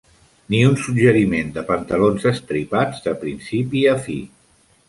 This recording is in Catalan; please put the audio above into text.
Ni un suggeriment de pantalons estripats de principi a fi.